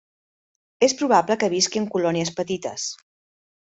És probable que visqui en colònies petites.